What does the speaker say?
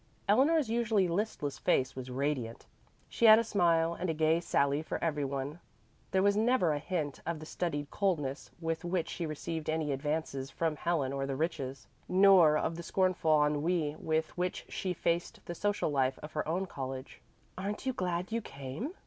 Eleanor's usually listless face was radiant. She had a smile and a gay sally for every one; there was never a hint of the studied coldness with which she received any advances from Helen or the Riches, nor of the scornful ennui with which she faced the social life of her own college. "Aren't you glad you came?"